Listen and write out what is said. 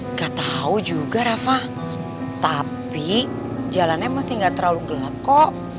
nggak tahu juga rafa tapi jalannya masih gak terlalu gelap kok